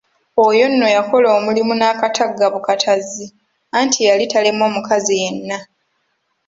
Oyo nno yakola omulimu n'akatagga bukatazzi anti yali talemwa mukazi yenna.